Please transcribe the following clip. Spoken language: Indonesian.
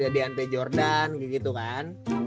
diante jordan gitu kan